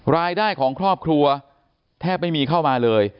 รายได้ของครอบครัวแทบไม่มีเข้ามาเลย